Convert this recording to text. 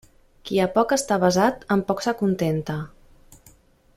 Qui a poc està avesat, amb poc s'acontenta.